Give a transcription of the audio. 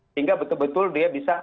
sehingga betul betul dia bisa